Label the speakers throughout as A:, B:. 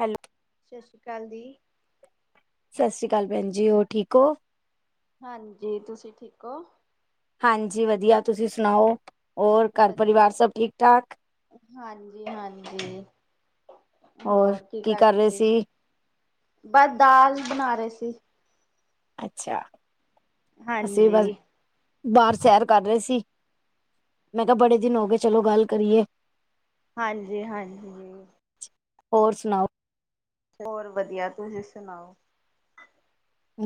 A: Hello.
B: ਸਤਿ ਸ਼੍ਰੀ ਅਕਾਲ ਜੀ। [unintelligible]
A: ਸਤਿ ਸ੍ਰੀ ਅਕਾਲ ਭੈਨ ਜੀ ਹੋਰ ਠੀਕ ਹੋ?
B: ਹਾਂਜੀ ਤੁਸੀਂ ਠੀਕ ਹੋ
A: ਹਾਂਜੀ ਵਧੀਆ ਤੁਸੀਂ ਸੁਨਾਓ ਹੋਰ ਘਰ
B: ਵਧੀਆ।
A: ਪਰਿਵਾਰ ਸਭ ਠੀਕ ਠਾਕ
B: ਹਾਂਜੀ ਹਾਂਜੀ।
A: ਹੋਰ ਕੀ ਕਰ ਰਹੇ ਸੀ?
B: ਬਸ ਦਾਲ ਬਨਾ ਰਹੇ ਸੀ।
A: ਅੱਛਾ ਅਸੀਂ ਬਸ
B: ਹਾਂਜੀ।
A: ਬਾਹਰ ਸੈਰ ਕਰ ਰਹੇ ਸੀ। ਮੈਂ ਕਿਆ ਬੜੇ ਦਿਨ ਹੋ ਗਏ ਚਲੋ ਗੱਲ ਕਰੀਏ।
B: ਹਾਂਜੀ ਹਾਂਜੀ।
A: ਹੋਰ ਸੁਨਾਓ!
B: ਹੋਰ ਵਧੀਆ ਤੁਸੀਂ ਸੁਨਾਓ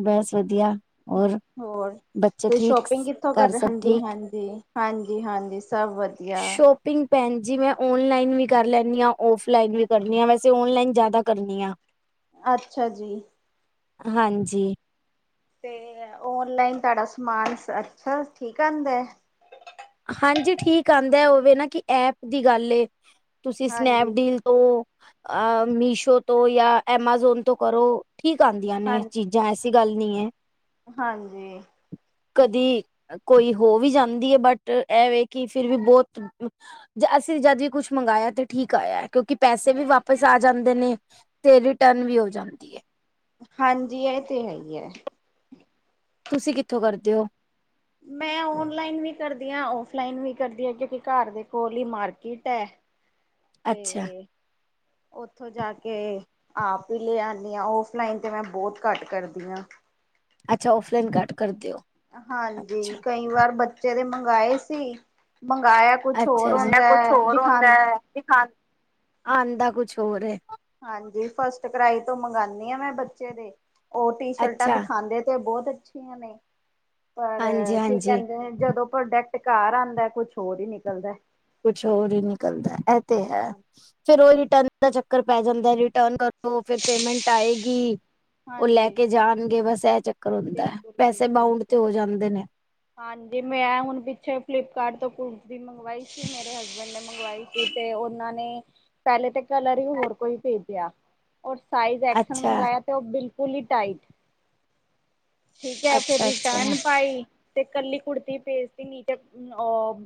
A: ਬਸ ਵਧੀਆ ਹੋਰ
B: ਹੋਰ
A: ਬੱਚੇ
B: ਤੁਸੀਂ
A: ਠੀਕ
B: ਸ਼ੋਪਿੰਗ ਕਿੱਥੋਂ
A: ਘਰ
B: ਕਰ
A: ਸਭ
B: ਹਾਂਜੀ
A: ਠੀਕ?
B: ਹਾਂਜੀ ਹਾਂਜੀ ਹਾਂਜੀ ਸਭ ਵਧੀਆ
A: ਸ਼ੋਪਿੰਗ ਭੈਨ ਜੀ ਮੈਂ ਓਨਲਾਈਨ ਵੀ ਕਰ ਲੈਂਨੀ ਆ ਔਫਲਾਈਨ ਵੀ ਕਰਨੀ ਆ ਵੈਸੇ ੳਨਲਾਈਨ ਜ਼ਿਆਦਾ ਕਰਨੀ ਆ
B: ਅੱਛਾ ਜੀ।
A: ਹਾਂਜੀ।
B: ਤੇ ਓਨਲਾਈਨ ਤੁਹਾਡਾ ਸਮਾਨ ਅੱਛਾ ਠੀਕ ਆਂਦਾ।
A: ਹਾਂਜੀ ਠੀਕ ਆਂਦਾ ਉਹ ਵੇ ਨਾ ਕਿ ਐਪ ਦੀ ਗੱਲ ਏ ਤੁਸੀਂ
B: ਹਾਂਜੀ
A: ਸਨੈਪਡੀਲ ਤੋਂ ਅਹ ਮੀਸ਼ੋ ਤੋਂ ਜਾਂ ਐਮਾਜ਼ੋਨ ਤੋਂ ਕਰੋ ਠੀਕ ਆਂਦੀਆਂ ਨੇ
B: ਹਾਂ
A: ਇਹ ਚੀਜ਼ ਜਾਂ ਐਸੀ ਗੱਲ ਨਹੀਂ ਏ
B: ਹਾਂਜੀ।
A: ਕਦੀ ਕੋਈ ਹੋ ਵੀ ਜਾਂਦੀ ਏ ਬਟ ਇਹ ਵੇ ਕਿ ਫਿਰ ਵੀ ਬਹੁਤ ਅਸੀਂ ਜਦ ਵੀ ਕੁਛ ਮੰਗਾਇਆ ਤੇ ਠੀਕ ਆਇਆ ਕਿਉਂਕਿ ਪੈਸੇ ਵੀ ਵਾਪਿਸ ਆ ਜਾਂਦੇ ਨੇ ਤੇ ਰਿਟਰਨ ਵੀ ਹੋ ਜਾਂਦੀ ਹੈ।
B: ਹਾਂਜੀ ਇਹ ਤੇ ਹੈ ਹੀ ਏ
A: ਤੁਸੀਂ ਕਿੱਥੋਂ ਕਰਦੇ ੳ?
B: ਮੈਂ ਓਨਲਾਈਨ ਵੀ ਕਰਦੀ ਆ ਔਫਲਾਈਨ ਵੀ ਕਰਦੀ ਆ ਕਿਉਂਕਿ ਘਰ ਦੇ ਕੋਲ ਈ ਮਾਰਕੀਟ ਹੈ
A: ਅੱਛਾ
B: ਤੇ ਉੱਥੋਂ ਜਾ ਕੇ ਆਪ ਹੀ ਲੈ ਆਨੀ ਆ ਓਫਲਾਈਨ ਤੇ ਮੈਂ ਬਹੁਤ ਘੱਟ ਕਰਦੀ ਆ
A: ਅੱਛਾ ਔਫਲਾਈਨ ਘੱਟ ਕਰਦੇ ਓ
B: ਹਾਂਜੀ ਕਈ ਵਾਰ ਬੱਚੇ ਦੇ ਮੰਗਾਏ ਸੀ ਮੰਗਾਇਆ ਕੁਛ ਹੋਰ
A: ਮੰਗਾਇਆ
B: ਹੁੰਦਾ
A: ਕੁਛ
B: ਹੈ
A: ਹੋਰ
B: ਦਿਖਾ
A: ਹੋਂਦਾ ਤੇ ਆਂਦਾ ਕੁਛ ਹੋਰ ਹੈ।
B: ਹਾਂਜੀ ਫਸਟ ਕਰਾਈ ਤੋਂ ਮੰਗਾਨੀ ਆ ਮੈਂ ਬੱਚੇ ਦੇ ਉਹ ਟੀ ਸ਼ਰਟਾਂ
A: ਅੱਛਾ
B: ਦਿਖਾਦੇ ਤੇ ਬਹੁਤ ਅੱਛੀਆਂ ਨੇ ਪਰ
A: ਹਾਂਜੀ
B: ਕੀ
A: ਹਾਂਜੀ
B: ਕਹਿੰਦੇ ਨੇ ਜਦੋਂ ਪ੍ਰੋਡਕਟ ਘਰ ਆਂਦਾ ਕੁਛ ਹੋਰ ਹੀ ਨਿਕਲਦਾ
A: ਕੁਛ ਹੋਰ ਹੀ ਨਿਕਲਦਾ ਇਹ ਤੇ ਹੈ ਫਿਰ ਉਹ ਰਿਟਰਨ ਦਾ ਚੱਕਰ ਪੈ ਜਾਂਦਾ ਰਿਟਰਨ ਕਰੋ ਫੇਰ ਪੇਮੈਂਟ ਆਏਗੀ ਉਹ ਲੈ
B: ਹਾਂਜੀ
A: ਕੇ ਜਾਣਗੇ ਬਸ ਇਹ ਚੱਕਰ ਹੁੰਦਾ ਹੈ ਪੈਸੇ ਬਾਉਨਡ
B: ਬਿਲਕੁਲ-ਬਿਲਕੁਲ
A: ਤੇ ਹੋ ਜਾਂਦੇ ਨੇ
B: ਹਾਂਜੀ ਮੈਂ ਹੁਣ ਪਿੱਛੇ ਫਲਿੱਪਕਾਰਟ ਤੋਂ ਕੁਟਦੀ [unintelligible] ਮੰਗਵਾਈ ਸੀ ਮੇਰੇ ਹਸਬੈਂਡ ਨੇ ਮੰਗਵਾਈ ਸੀ ਤੇ ਉਹਨਾਂ ਨੇ ਪਹਿਲੇ ਤੇ ਕਲਰ ਹੀ ਹੋਰ ਕੋਈ ਭੇਜਿਆ ਉਹ ਸਾਈਜ਼ ਐਕਸਲ
A: ਅੱਛਾ,
B: ਮੰਗਾਇਆ ਤੇ ਉਹ ਬਿਲਕੁਲ ਹੀ ਟਾਈਟ ਠੀਕ ਹੈ ਫੇਰ
A: ਅੱਛਾ, ਅੱਛਾ,
B: ਰਿਟਰਨ ਪਾਈ ਤੇ ਕੱਲੀ ਕੁੜਤੀ ਭੇਜਤੀ ਨੀਚੇ ੳ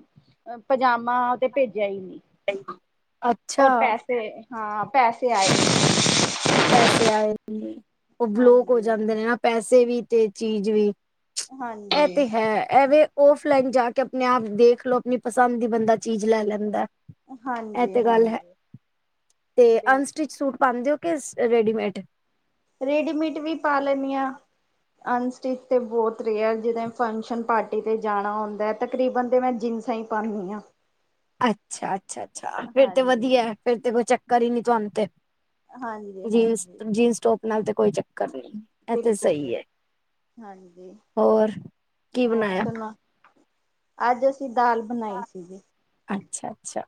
B: ਪਜਾਮਾ ਤੇ ਭੇਜਿਆ ਈ ਨੀ
A: ਅੱਛਾ
B: ਔਰ ਪੈਸੇ ਹਾਂ ਪੈਸੇ ਆਏ
A: ਪੈਸੇ ਆਏ ਨਹੀਂ ਉਹ ਬਲੋਕ ਹੋ ਜਾਂਦੇ ਨੇ ਨਾ ਪੈਸੇ ਵੀ ਤੇ ਚੀਜ਼ ਵੀ ਉਹ ਤੇ
B: ਹਾਂਜੀ-ਹਾਂਜੀ,
A: ਹੈਂ ਇਹ ਵੇ ਔਫਲਾਈਨ ਜਾ ਕੇ ਆਪਣੇ ਆਪ ਦੇਖ ਲਓ ਆਪਣੀ ਪਸੰਦ ਦੀ ਬੰਦਾ ਚੀਜ਼ ਲੈ ਲੈਂਦਾ ਇਹ ਤੇ ਗੱਲ ਹੈ
B: ਹਾਂਜੀ-ਹਾਂਜੀ
A: ਤੇ ਅਨਸਟਿਚ
B: ਬਿਲਕੁਲ
A: ਸੂਟ ਪਾਉਂਦੇ ਓ ਕਿਸ ਏ ਰੇਡੀਮੇਡ
B: ਰੇਡੀਮੇਟ ਵੀ ਪਾ ਲੇਨੀ ਆਂ ਅਨਸਟਿਚ ਤੇ ਬਹੁਤ ਰੇਅਰ ਜਿੱਦਾਂ ਫੰਕਸ਼ਨ ਪਾਰਟੀ 'ਤੇ ਜਾਣਾ ਹੁੰਦਾ ਤਕਰੀਬਨ ਤਾਂ ਮੈਂ ਜਿੰਨਸ ਹੀ ਪਾਨੀ ਆਂ
A: ਅੱਛਾ ਅੱਛਾ ਅੱਛਾ ਫੇਰ ਤੇ ਵਧੀਆ ਫਿਰ ਤੇ ਕੋਈ ਚੱਕਰ ਹੀ ਨੀ ਤੁਹਾਨੂੰ ਤੇ
B: ਹਾਂਜੀ,
A: ਜੀਨਸ
B: ਹਾਂਜੀ
A: ਜੀਨਸ ਟੋਪ ਨਾਲ ਤੇ ਕੋਈ ਚੱਕਰ ਨਹੀ ਇਹ ਤੇ
B: ਬਿਲਕੁਲ
A: ਸਹੀ
B: ਬਿਲ
A: ਐ
B: ਹਾਂਜੀ
A: ਕੀ
B: ਹੋਰ
A: ਬਣਾਇਆ
B: ਸੁਣਾ ਅੱਜ ਅਸੀਂ ਦਾਲ ਬਣਾਈ ਸੀ
A: ਅੱਛਾ ਅੱਛਾ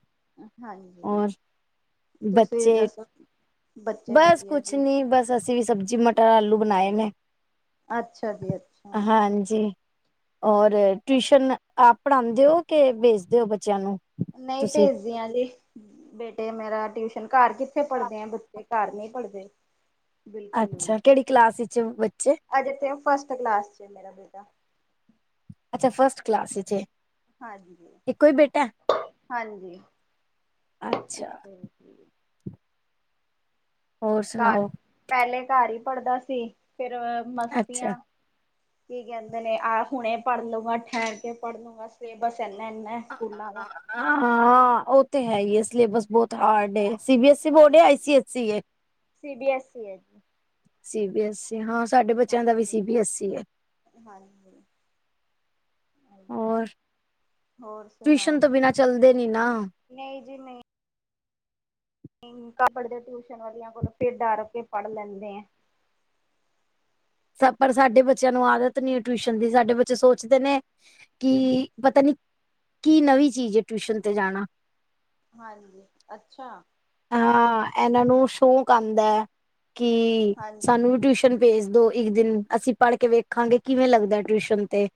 B: ਹਾਂਜੀ
A: ਔਰ
B: ਤੁਸੀਂ
A: ਬੱਚੇ
B: ਦੱਸੋ ਬੱਚੇ
A: ਬਸ
B: ਵਧੀਆ
A: ਕੁਛ
B: ਜੀ
A: ਨੀ ਬਸ ਅਸੀਂ ਵੀ ਸਬਜ਼ੀ ਮਟਰ ਆਲੂ ਬਣਾਏ ਨੇ
B: ਅੱਛਾ ਜੀ ਅੱਛਾ
A: ਹਾਂਜੀ ਔਰ ਟਿਊਸ਼ਨ ਆਪ ਪੜ੍ਹਾਉਂਦੇ ਹੋ ਕੇ ਭੇਜਦੇ ਹੋ ਬੱਚਿਆਂ ਨੂੰ
B: ਨਹੀਂ
A: ਤੁਸੀਂ
B: ਭੇਜਦੀਆਂ ਜੀ ਬੇਟੇ ਮੇਰਾ ਟਿਊਸ਼ਨ ਘਰ ਕਿੱਥੇ ਪੜ੍ਹਦੇ ਆ ਬੱਚੇ ਘਰ ਨਹੀਂ ਪੜਦੇ ਬਿਲਕੁਲ ਨਹੀਂ
A: ਅੱਛਾ ਕਿਹੜੀ ਕਲਾਸ ਵਿੱਚ ਬੱਚੇ
B: ਹੱਜੇ ਤੇ ਫਸਟ ਕਲਾਸ ਚ ਮੇਰਾ ਬੇਟਾ
A: ਅੱਛਾ ਫਸਟ ਕਲਾਸ ਵਿੱਚ ਅ
B: ਹਾਂਜੀ,
A: ਇੱਕੋ ਹੀ ਬੇਟਾ
B: ਹਾਂਜੀ।
A: ਅੱਛਾ ਹੋਰ
B: ਘਰ
A: ਸੁਣਾਓ
B: ਪਹਿਲੇ ਘਰ ਹੀ ਪੜ੍ਹਦਾ ਸੀ ਫਿਰ
A: ਅੱਛਾ
B: ਮਸਤੀਆਂ ਕੀ ਕਹਿੰਦੇ ਨੇ ਆਹ ਹੁਣੇ ਪੜ੍ਹ ਲੂੰਗਾ ਠਹਿਰ ਕੇ ਪੜ੍ਹ ਲੂੰਗਾ ਸਿਲੇਬਸ ਇੰਨਾ ਇੰਨਾ ਸਕੂਲਾਂ ਦਾ
A: ਹ ਹਾਂ ਉਹ ਤੇ ਹੈ ਹੀ ਹੈ ਸਿਲੇਬਸ ਬਹੁਤ ਹਾਰਡ ਏ C B S C board ਏ
B: ਹਾਂਜੀ
A: ਆਈ ਸੀ ਐਸ ਸੀ ਏ
B: ਸੀ ਬੀ ਐੱਸ ਈ ਹੈ ਜੀ
A: ਸੀ ਬੀ ਐੱਸ ਹਾਂ ਸਾਡੇ ਬੱਚਿਆਂ ਦਾ ਵੀ
B: ਹਾਂਜੀ
A: ਸੀ ਬੀ ਐੱਸ ਈ ਏ
B: ਹਾਂਜੀ
A: ਹੋਰ
B: ਹੋਰ ਸੁਣਾਓ
A: ਟਿਊਸ਼ਨ ਤੋਂ ਬਿਨਾਂ ਚਲਦੇ ਨੀ ਨਾ
B: ਨਹੀਂ ਜੀ ਨਹੀਂ ਘਰ ਪੜ੍ਹਦੇ ਟਿਊਸ਼ਨ ਵਾਲੀਆਂ ਕੋਲੋਂ ਫੇਰ ਡਰ ਕੇ ਪੜ੍ਹ ਲੈਂਦੇ ਆ
A: ਪਰ ਸਾਡੇ ਬੱਚਿਆਂ ਨੂੰ ਆਦਤ ਨੀ ਟਿਊਸ਼ਨ ਦੀ ਸਾਡੇ ਬੱਚੇ ਸੋਚਦੇ ਨੇ ਕੀ ਪਤਾ ਨੀ ਕੀ ਨਵੀਂ ਚੀਜ਼ ਹੈ ਟਿਊਸ਼ਨ ਤੇ ਜਾਣਾ
B: ਹਾਂਜੀ ਅੱਛਾ
A: ਹਾਂ ਇਹਨਾਂ ਨੂੰ ਸ਼ੌਕ ਆਉਂਦਾ ਹੈ ਕਿ
B: ਹਾਂਜੀ
A: ਸਾਨੂੰ ਵੀ ਟਿਊਸ਼ਨ ਭੇਜ ਦੋ ਇੱਕ ਦਿਨ ਅਸੀਂ ਪੜ੍ਹ ਕੇ ਵੇਖਾਂਗੇ ਕਿਵੇਂ ਲੱਗਦਾ ਟਿਊਸ਼ਨ ਤੇ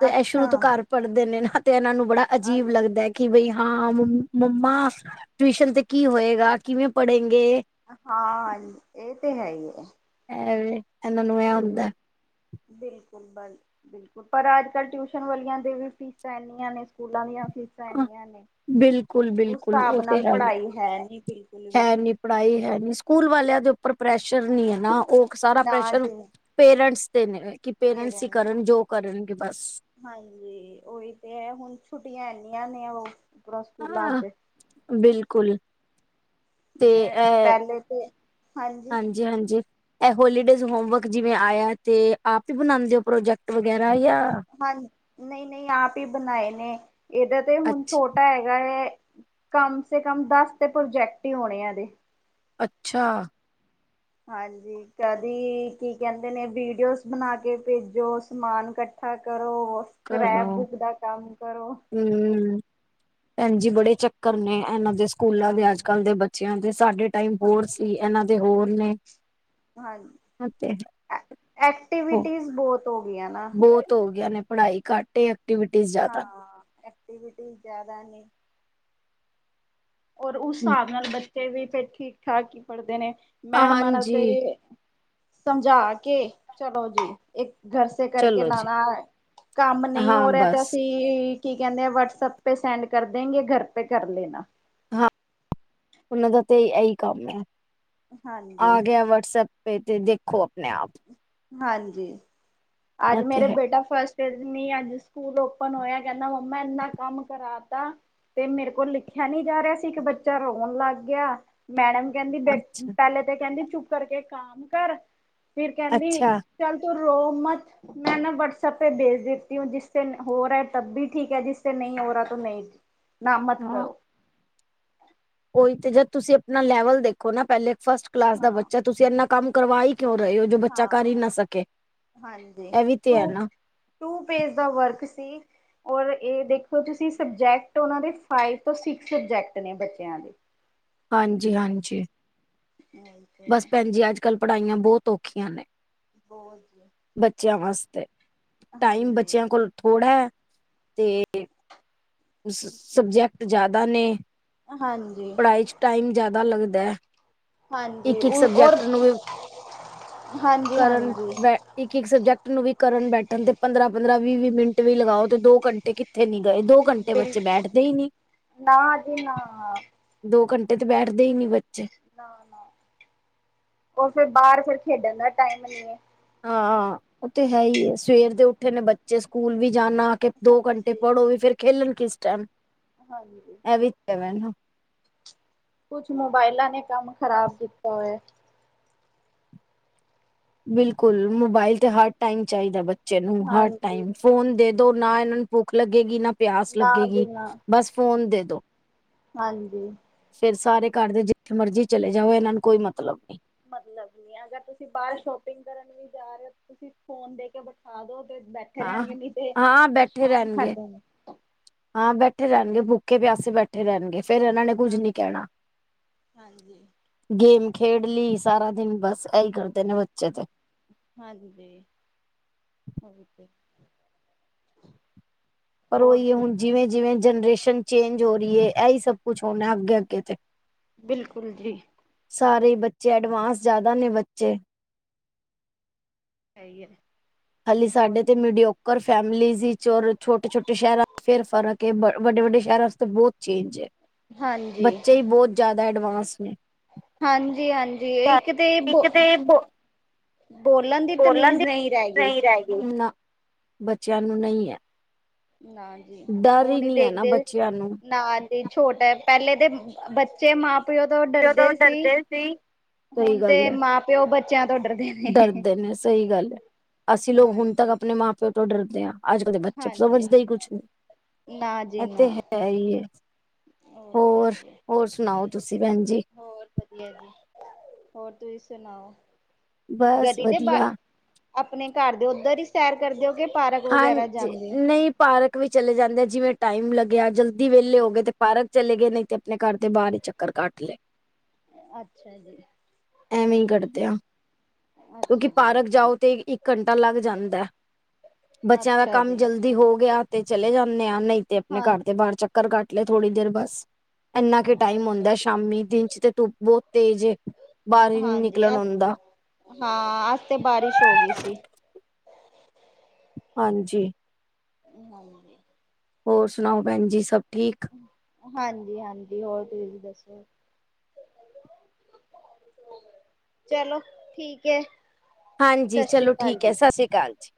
A: ਤੇ ਇਹ ਸ਼ੁਰੂ
B: ਅੱਛਾ
A: ਤੋਂ ਘਰ ਪੜ੍ਹਦੇ ਨੇ ਨਾ ਤੇ ਇਹਨਾਂ ਨੂੰ ਬੜਾ
B: ਅੱ
A: ਅਜੀਬ ਲੱਗਦਾ ਕਿ ਬਈ ਹਾਂ ਮੰਮਾ ਟਿਊਸ਼ਨ ਤੇ ਕੀ ਹੋਏਗਾ, ਕਿਵੇਂ ਪੜ੍ਹੇਗੇ।
B: ਹਾਂ ਇਹ ਤੇ ਹੈ ਈ ਏ
A: ਏਹ ਵੇ ਇਹਨਾਂ ਨੂੰ ਐ ਹੁੰਦਾ।
B: ਬਿਲਕੁਲ ਬਲ ਬਿਲਕੁਲ ਪਰ ਅੱਜ-ਕੱਲ ਟਿਊਸ਼ਨ ਵਾਲੀਆਂ ਦੀ ਵੀ ਫੀਸਾਂ ਇੰਨੀਆਂ ਨੇ ਸਕੂਲਾਂ ਦੀਆਂ ਫੀਸਾਂ
A: ਬਿਲਕੁਲ
B: ਉਸ
A: ਬਿਲਕੁਲ
B: ਹਿਸਾਬ
A: ਉਹ ਤੇ
B: ਨਾਲ
A: ਹੈ ਹੀ
B: ਪੜ੍ਹਾਈ ਹੈ, ਨੀ ਬਿਲਕੁਲ ਵੀ
A: ਹੈ
B: ਜੀ।
A: ਨੀ ਪੜ੍ਹਾਈ ਹੈ ਨੀ ਸਕੂਲ ਵਾਲਿਆਂ ਦੇ ਉੱਪਰ ਪ੍ਰੈਸ਼ਰ ਨਹੀ ਹੈ ਨਾ ਉਹ ਸਾਰਾ
B: ਨਾ
A: ਪ੍ਰੈਸ਼ਰ
B: ਜੀ
A: ਪੇਰੈਂਟਸ ਦੇ ਨੇ ਕਿ
B: ਦੇ
A: ਪੇਰੈਂਟਸ ਹੀ
B: ਰਹੇ
A: ਕਰਨ ਜੋ ਕਰਨਗੇ ਬਸ
B: ਹਾਂਜੀ ਉਹੀ ਤੇ ਹੈ, ਹੁਣ ਛੁੱਟੀਆਂ ਇਨੀਆਂ ਨੇ ਉਨ੍ਹਾਂ ਸਕੂਲਾਂ
A: ਹਾਂ
B: ਚ।
A: ਬਿਲਕੁਲ, ਤੇ
B: ਜਿਵੇਂ
A: ਏ
B: ਪਹਿਲੇ ਤੇ
A: ਹਾਂਜੀ, ਹਾਂਜੀ, ਇਹ ਹੋਲੀਡੇਜ਼ ਹੋਮਵਰਕ ਜਿਵੇਂ, ਆਇਆ ਤੇ ਆਪ ਹੀ ਬਣਾਉਦੇ ਹੋ ਪ੍ਰੋਜੈਕਟ ਵਗੈਰਾ
B: ਹਾਂ ਨਹੀਂ, ਨਹੀਂ ਆਪ ਈ ਬਣਾਏ ਨੇ ਇਹਦਾ ਤੇ ਹੁਣ
A: ਅੱਛਾ
B: ਛੋਟਾ ਹੈਗਾ ਏ। ਕਮ ਸੇ ਕਮ ਦਸ ਤੇ ਪ੍ਰੋਜੈਕਟ ਹੀ ਹੋਣੇ ਏਦੇ।
A: ਅੱਛਾ।
B: ਹਾਂਜੀ। ਕਦੀ ਕੀ ਕਹਿੰਦੇ ਨੇ ਵੀਡੀਓਜ਼ ਬਣਾ ਕੇ ਭੇਜੋ ਸਮਾਨ ਕੱਟ ਇਕੱਠਾ ਕਰੋ ਸਕ੍ਰੈਪ
A: ਕਰੋ
B: ਬੁੱਕ ਦਾ ਕੰਮ ਕਰੋ।
A: ਹੂੰ। ਭੈਣਜੀ ਬੜੇ ਚੱਕਰ ਨੇ ਇਹਨਾਂ ਦੇ ਸਕੂਲਾਂ
B: ਹਾਂ।
A: ਦੇ ਅੱਜ ਕੱਲ ਦੇ। ਅੱਛਾ। ਤੇ ਸਾਡੇ ਟਾਈਮ ਬੋਰ
B: ਹਾਂਜੀ
A: ਸੀ ਇਹਨਾਂ ਦੇ ਹੋਰ ਨੇ
B: ਹਾਂਜੀ।
A: ਤੇ
B: ਐਕਟੀਵਿਟੀਜ਼ ਬਹੁਤ ਹੋ ਗਈਆਂ ਨਾ
A: ਬਹੁਤ ਹੋ ਗਿਆ ਨੇ ਪੜ੍ਹਾਈ ਘੱਟ ਐਕਟੀਵਿਟੀ ਜਾਂ ਤ
B: ਹਾਂ ਐਕਟੀਵਿਟੀ ਜ਼ਿਆਦਾ ਨੇ ਔਰ ਉਸ ਹਿਸਾਬ ਨਾਲ ਬੱਚੇ ਵੀ ਠੀਕ ਠਾਕ ਹੀ ਪੜ੍ਹਦੇ ਨੇ ਮੈਡਮ ਨਾਲ ਤੇ
A: ਹਾਂਜੀ
B: ਸਮਝਾ ਕੇ ਚਲੋ ਜੀ ਇੱਕ ਗਰ ਕਰਕੇ
A: ਚਲੋ ਜੀ
B: ਲਾਉਣਾ ਕੰਮ ਨਹੀਂ
A: ਹਾਂ
B: ਹੋ ਰਿਹਾ ਤੇ
A: ਬਸ
B: ਅਸੀਂ ਕੀ - ਕੀ ਕਹਿੰਦੇ ਆ ਵਟਸਐਪ ਤੇ ਸੈਂਡ ਕਰ ਦੇਗੇ ਘਰ ਤੇ ਕਰ ਲੈਣਾ।
A: ਹਾਂ। ਉਹਨਾਂ ਦਾ ਤੇ ਇਹੀ ਕੰਮ ਹੈ।
B: ਹਾਂਜੀ
A: ਆ ਗਿਆ ਵਟਸਐਪ ਫੇ ਤੇ ਦੇਖੋ ਆਪਣੇ ਆਪ
B: ਹਾਂਜੀ। ਅੱਜ
A: ਇਹ ਤੇ
B: ਮੇਰੇ
A: ਹੈ
B: ਬੇਟਾ ਫਸਟ ਅੱਜ ਸਕੂਲ ਓਪਨ ਹੋਇਆ ਕਹਿੰਦਾ ਮੰਮਾ ਇੰਨਾ ਕੰਮ ਕਰਾ ਤਾ ਤੇ ਮੇਰੇ ਕੋਲ ਲਿਖਿਆ ਨੀ ਜਾ ਰਿਹਾ ਸੀ। ਇੱਕ ਬੱਚਾ ਰੋਣ ਲੱਗ ਗਿਆ। ਮੈਡਮ ਕਹਿੰਦੀ ਬੇ
A: ਅੱਛਾ
B: ਪਹਿਲੇ ਤੇ ਕਹਿੰਦੀ ਚੁੱਪ ਕਰਕੇ ਕਮ ਕਰ ਫਿਰ ਕਹਿੰਦੀ।
A: ਅੱਛਾ
B: ਚੱਲ ਤੂੰ ਰੋ ਮਤ ਮੈਂ ਨਾ ਵਟਸਐਪ ਪੇ ਭੇਜ ਦੇਤੀ ਐ ਜਿਸੇ ਹੋ ਰਿਹਾ ਹੈ ਤਬ ਵੀ ਠੀਕ ਹੈ ਜਿਸੇ ਨਹੀਂ ਹੋ ਰਿਹਾ ਨਹੀਂ। ਨਾ ਮਤ ਕਰੋ।
A: ਉਈ ਤੇ ਜਦ ਤੁਸੀਂ ਆਪਣਾ ਲੈਵਲ ਦੇਖੋ, ਨਾ ਪਹਿਲੇ ਇੱਕ ਫਸਟ ਕਲਾਸ ਦਾ ਬੱਚਾ ਤੁਸੀਂ ਇਨਾ ਕੰਮ ਕਰਵਾਈ। ਕਿਉਂ ਰਹੇ ਹੋ ਜੋ ਬੱਚਾ ਕਰ ਹੀ ਨਾ ਸਕੇ,
B: ਹਾਂਜੀ
A: ਇਹ ਵੀ ਤੇ ਹੈ
B: ਟੂ
A: ਨਾ-
B: ਟੂ ਪੇਜ ਦਾ ਵਰਕ ਸੀ। ਔਰ ਇਹ ਦੇਖੋ, ਤੁਸੀਂ ਸਬਜੈਕਟ ਉਹਨਾਂ ਦੇ ਫਾਈਵ ਤੋਂ ਸਿਕਸ ਸਬਜੈਕਟ ਨੇ ਬੱਚਿਆਂ ਦੇ।
A: ਹਾਂਜੀ - ਹਾਂਜੀ।
B: ਉਹੀ ਤੇ
A: ਬਸ
B: ਹੈ।
A: ਭੈਣ ਜੀ ਅੱਜ ਕੱਲ੍ਹ ਪੜ੍ਹਾਈਆਂ ਬਹੁਤ ਔਖੀਆਂ ਨੇ।
B: ਬਹੁਤ ਵਧੀਆ।
A: ਬੱਚਿਆਂ ਵਾਸਤੇ ਟਾਈਮ
B: ਹਾਂਜੀ,
A: ਬੱਚਿਆਂ ਕੋਲ ਥੋੜ੍ਹਾ ਹੈ। ਤੇ ਸਬਜੈਕਟ ਜ਼ਿਆਦਾ ਨੇ
B: ਹਾਂਜੀ।
A: ਪੜ੍ਹਾਈ ਟਾਈਮ ਜਿਆਦਾ ਲੱਗਦਾ।
B: ਹਾਂਜੀ
A: ਇੱਕ- ਇੱਕ
B: ਔਰ
A: ਸਬਜੈਕਟ ਨੂੰ ਵੀ
B: ਹਾਂਜੀ,
A: ਕਰਨ
B: ਹਾਂਜੀ
A: ਬ ਇੱਕ- ਇੱਕ ਸਬਜੈਕਟ ਨੂੰ ਵੀ ਕਰਨ ਬੈਠਣ ਤੇ ਪੰਦਰਾਂ-ਪੰਦਰਾਂ ਵੀਹ ਵੀਹ ਮਿੰਟ ਵੀ ਲਗਾਓ, ਤੇ ਦੋ ਘੰਟੇ ਕਿੱਥੇ ਨ ਗਏ ਦੋ ਘੰਟੇ
B: ਬਿਲ
A: ਬੱਚੇ ਬੈਠਦੇ ਹੀ ਨੀ
B: ਨਾ ਜੀ ਨਾ,
A: ਦੋ ਘੰਟੇ ਤੇ ਬੈਠਦੇ ਹੀ ਨਹੀ ਬੱਚੇ
B: ਨਾ - ਨਾ ਉਹ ਫਿਰ ਬਾਹਰ ਫਿਰ ਖੇਡਣ ਦਾ ਟਾਈਮ ਨਹੀਂ ਹੈ।
A: ਹਾਂ। ਉਹ ਤੇ ਹੈ ਹੀ ਹੈ ਸਵੇਰ ਦੇ ਉਠੇ ਨੇ ਬੱਚੇ ਸਕੂਲ ਵੀ ਜਾਣਾ ਦੋ ਘੰਟੇ
B: ਹਾਂਜੀ,
A: ਪੜ੍ਹੋ ਵੀ ਫੇਰ ਖੇਲਣ ਕਿਸ ਟਾਈਮ
B: ਹਾਂਜੀ।
A: ਇਹ ਵੀ ਪੈਂ
B: ਕੁਛ ਮੋਬਾਇਲਾਂ ਨੇ ਕੰਮ ਖ਼ਰਾਬ ਕੀਤਾ ਹੋਇਆ।
A: ਬਿਲਕੁਲ ਮੋਬਾਇਲ ਤੇ ਹਰ ਟਾਈਮ ਚਾਹੀਦਾ ਬੱਚੇ ਨੂੰ ਹਰ
B: ਹਾਂਜੀ,
A: ਟਾਈਮ। ਫੋਨ ਦੇ ਦੋ ਨਾ ਇਹਨਾਂ ਨੂੰ ਭੁੱਖ ਲੱਗੇਗੀ ਨਾ ਪਿਆਸ
B: ਨਾ ਜੀ
A: ਲੱਗੇਗੀ
B: ਨਾ,
A: ਬਸ ਫੋਨ ਦੇ ਦੋ।
B: ਹਾਂਜੀ।
A: ਫੇਰ ਸਾਰੇ ਘਰ ਦੇ ਜਿੱਥੇ ਮਰਜ਼ੀ ਚਲੇ ਜਾਓ ਇਹਨਾਂ ਨੂੰ ਕੋਈ ਮਤਲਬ ਨਹੀਂ।
B: ਮਤਲਬ ਨੀ ਅਗਰ ਤੁਸੀਂ ਬਾਹਰ ਸ਼ੋਪਿੰਗ ਕਰਨ ਵੀ ਜਾ ਰਹੇ ਹੋ ਤੁਸੀਂ ਫ਼ੋਨ ਦੇ ਕੇ ਬਿਠਾ ਦੋ ਤੇ ਬੈਠੇ
A: ਆਹ
B: ਰਹਿਣਗੇ ਨਹੀਂ ਤੇ
A: ਹਾਂ ਬੈਠੇ
B: ਪਰੇਸ਼ਾਨ
A: ਰਹਿਣਗੇ।
B: ਕਰਦੇ ਨੇ
A: ਹਾਂ ਬੈਠੇ ਰਹਿਣਗੇ ਭੁੱਖੇ ਪਿਆਸੇ ਬੈਠੇ ਰਹਿਣਗੇ। ਫਿਰ ਇਹਨਾਂ ਨੇ ਕੁੱਝ
B: ਹਾਂ
A: ਨੀ ਕਹਿਣਾ।
B: ਹਾਂਜੀ
A: ਗੇਮ ਖੇਡ ਲਈ ਸਾਰਾ ਦਿਨ ਬਸ ਇਹੀ ਕਰਦੇ ਨੇ ਬੱਚੇ ਤੇ।
B: ਹਾਂਜੀ।
A: ਪਰ
B: ਹੋਰ
A: ਉਹੀ
B: ਸੁ
A: ਹੁਣ ਜਿਵੇਂ -ਜਿਵੇਂ ਜਨਰੇਸ਼ਨ ਚੇਂਜ ਹੋ ਰਹੀ ਹੈ। ਇਹੀ ਸਭ ਕੁਛ ਹੋਣਾ ਅੱਗੇ ਅੱਗੇ ਤੇ
B: ਬਿਲਕੁਲ ਜੀ।
A: ਸਾਰੇ ਹੀ ਬੱਚੇ ਐਡਵਾਂਸ ਜ਼ਿਆਦਾ ਨੇ ਬੱਚੇ
B: ਸਹੀ।
A: ਹਾਲੀ
B: ਹੋਰ
A: ਸਾਡੇ ਤੇ ਮਿਊਡੀੋਕ ਗੁਰ ਫੈਮਲੀਜ਼ ਸੀ ਜੋ ਛੋਟੇ- ਛੋਟੇ ਸ਼ਹਿਰਾਂ ਫੇਰ ਫਰਕ ਹੈ ਵੱਡੇ ਵੱਡੇ ਸ਼ਹਿਰਾਂ ਵਾ ਬਹੁਤ ਚੇਂਜ ਹੈ।
B: ਹਾਂਜੀ
A: ਬੱਚੇ ਹੀ ਬਹੁਤ ਜ਼ਿਆਦਾ ਐਡਵਾਂਸ ਨੇ
B: ਹਾਂਜੀ- ਹਾਂਜੀ ਇੱਕ ਤੇ
A: ਇੱਕ
B: ਬ
A: ਤੇ ਬੋ
B: ਬੋਲਣ ਦੀ
A: ਬੋਲਣ
B: ਤਮੀਜ਼
A: ਦੀ
B: ਨਹੀਂ ਰਹਿ ਗਈ।
A: ਨਹੀਂ ਨਾ, ਬੱਚਿਆਂ ਨੂੰ ਨਹੀਂ ਹੈ।
B: ਨਾ ਜੀ,
A: ਡਰ
B: ਉਹ
A: ਹੀ
B: ਨੀ
A: ਨਹੀਂ ਹੈ ਨਾ
B: ਦੇਖਦੇ,
A: ਬੱਚਿਆਂ ਨੂੰ।
B: ਨਾ ਤੇ ਛੋਟਾ ਹੈ, ਪਹਿਲੇ ਤਾਂ ਬੱਚੇ ਮਾਂ ਪ ਮਾਂ ਪਿਓ ਤੋਂ
A: ਜਦੋਂ
B: ਡਰਦੇ ਸੀ,
A: ਸਹੀ
B: ਹੁਣ ਤੇ
A: ਗੱਲ ਹੈ
B: ਮਾਂ ਪਿਓ ਬੱਚਿਆਂ ਤੋਂ ਡਰ
A: ਡਰਦੇ ਨੇ ਸਹੀ ਗੱਲ ਹੈ, ਅਸੀਂ ਲੋਕ ਹੁਣ ਤੱਕ
B: ਹਾਂਜੀ।
A: ਆਪਣੇ ਮਾਂ ਪਿਓ ਤੋਂ ਡਰਦੇ ਹਾਂ। ਅੱਜ ਕੱਲ ਦੇ ਬੱਚੇ
B: ਹਾਂਜੀ,
A: ਸਮਝਦੇ ਹੀ ਕੁਛ ਨਹੀਂ।
B: ਨਾ ਜੀ
A: ਇਹ
B: ਨਾ,
A: ਤੇ ਹੈ ਹੀ, ਹੋਰ -ਹੋਰ ਸੁਣਾਓ ਤੁਸੀਂ ਭੈਣ ਜੀ
B: ਹੋਰ ਵਧੀਆ ਜੀ, ਹੋਰ ਤੁਸੀਂ ਸੁਣਾਓ
A: ਬਸ
B: ਗਲੀ ਦੇ ਬਾਅਦ,
A: ਵਧੀਆ।
B: ਆਪਣੇ ਘਰ ਦੇ ਉੱਧਰ ਹੀ ਸੈਰ ਕਰਦੇ ਹੋ ਕਿ ਪਾਰਕ ਵਗੈਰਾ
A: ਹਾਂਜੀ
B: ਜਾਂਦੇ ਹੋ
A: ਨਹੀਂ ਪਾਰਕ ਵੀ ਚਲੇ ਜਾਂਦੇ ਆ ਜਿਵੇਂ ਟਾਈਮ ਲੱਗਿਆ ਜਲਦੀ ਵਿਹਲੇ ਹੋ ਗਏ ਤੇ ਪਾਰਕ ਚਲੇ ਗਏ ਨਹੀਂ ਤੇ ਆਪਣੇ ਘਰ ਦੇ ਬਾਹਰ ਚਕਰ ਕਟ ਲਏ
B: ਅੱਛਾ ਜੀ।
A: ਐਵੇਂ ਹੀ ਕਰਦੇ ਹਾਂ, ਕਿਉਂਕਿ
B: ਅੱਛਾ ਜੀ
A: ਪਾਰਕ
B: ਅੱਛਾ,
A: ਜਾਓ ਤੇ ਇੱਕ ਘੰਟਾ ਲੱਗ ਜਾਂਦਾ। ਬੱਚਿਆਂ ਦਾ
B: ਅੱਛਾ
A: ਕੰਮ
B: ਜੀ,
A: ਜਲਦੀ ਹੋ ਗਿਆ ਤੇ ਚਲੇ ਜਾਂਦੇ ਆਂ, ਨਹੀਂ ਤੇ ਆਪਣੇ ਘਰ ਦੇ
B: ਹਾਂਜੀ।
A: ਬਾਹਰ ਚੱਕ ਚਕਰ ਕਟ ਲਏ, ਥੋੜੀ ਦੇਰ ਬਸ ਇੰਨਾ ਟਾਈਮ
B: ਅੱਛਾ
A: ਹੁੰਦਾ
B: ਜੀ।
A: ਸ਼ਾਮੀ ਦਿਨ ਚ ਤੇ ਧੁੱਪ ਬਹੁਤ ਤੇਜ਼ ਬਾਹਰ ਨੀ
B: ਹਾਂਜੀ,
A: ਨਿਕਲਣ
B: ਅ
A: ਆਉਂਦਾ
B: ਹਾਂ ਅੱਜ ਤੇ ਬਾਰਿਸ਼ ਹੋ ਗਈ ਸੀ।
A: ਹਾਂਜੀ।
B: ਹ ਹਾਂਜੀ।
A: ਹੋਰ ਸੁਣਾਓ ਭੈਣ ਜੀ ਸਭ ਠੀਕ?
B: ਹਾਂਜੀ- ਹਾਂਜੀ ਹੋਰ ਤੁਸੀਂ ਦੱਸੋ ਚਲੋ ਠੀਕ ਹੈ।
A: ਹਾਂਜੀ
B: ਸਤਿ ਸ੍ਰੀ
A: ਚਲੋ
B: ਅਕਾਲ
A: ਠੀਕ ਹੈ
B: ਜੀ।
A: ਸਤਿ ਸ੍ਰੀ ਅਕਾਲ ਜੀ।